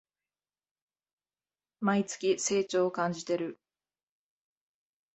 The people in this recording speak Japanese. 毎月、成長を感じてる